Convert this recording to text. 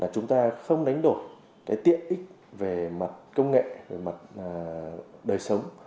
chúng ta không đánh đổi cái tiện ích về mặt công nghệ về mặt đời sống